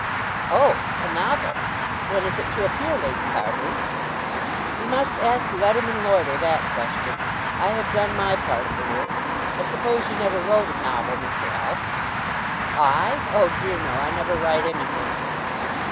"Oh, a novel! When is it to appear, Lady Carbury?" "You must ask Leadham and Loiter that question. I have done my part of the work. I suppose you never wrote a novel, Mr. Alf?" "I? Oh dear no; I never write anything."